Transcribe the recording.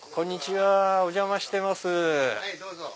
はいどうぞ。